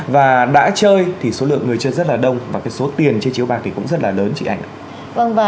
và đã chơi thì số lượng người chơi rất đông và số tiền chơi chiếu bạc cũng rất lớn